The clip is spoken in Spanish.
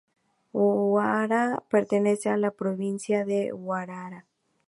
Huaura pertenece a la Provincia de Huaura.